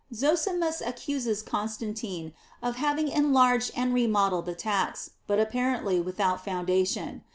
Zosimus accuses Constantine of having enlarged and remodeled the tax, but apparently without foundation.